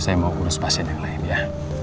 saya mau urus pasien yang lain ya